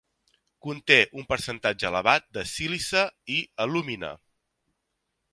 Conté un percentatge elevat de sílice i alúmina.